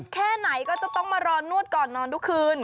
แค่ไหนก็จะต้องมารอนวดก่อนนอนทุกคืน